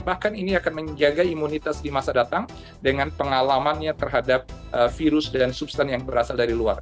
bahkan ini akan menjaga imunitas di masa datang dengan pengalamannya terhadap virus dan substan yang berasal dari luar